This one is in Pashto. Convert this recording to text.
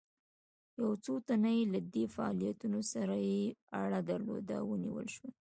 یو څو تنه چې له دې فعالیتونو سره یې اړه درلوده ونیول شول.